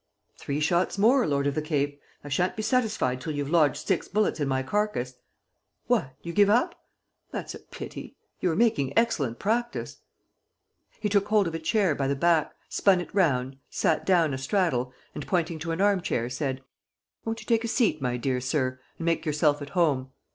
"Three shots more, Lord of the Cape! I shan't be satisfied till you've lodged six bullets in my carcass. What! You give up? That's a pity ... you were making excellent practice!" He took hold of a chair by the back, spun it round, sat down a straddle and, pointing to an arm chair, said: "Won't you take a seat, my dear sir, and make yourself at home?